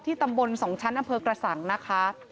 ตำบล๒ชั้นอำเภอกระสังนะคะ